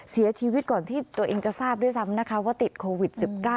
เสียชีวิตก่อนที่ตัวเองจะทราบด้วยซ้ำนะคะว่าติดโควิด๑๙